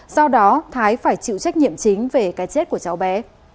do đó thái phải chịu trách nhiệm chính về cái chết của cháu bé